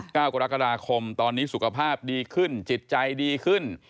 กรกฎาคมตอนนี้สุขภาพดีขึ้นจิตใจดีขึ้น